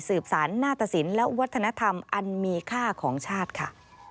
สารหน้าตสินและวัฒนธรรมอันมีค่าของชาติค่ะ